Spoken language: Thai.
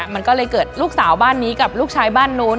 มันก็เลยเกิดลูกสาวบ้านนี้กับลูกชายบ้านนู้น